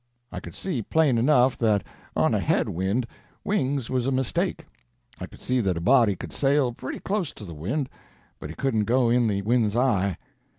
I could see, plain enough, that on a head wind, wings was a mistake. I could see that a body could sail pretty close to the wind, but he couldn't go in the wind's eye.